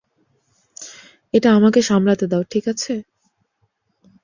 এটা আমাকে সামলাতে দাও ঠিকাছে।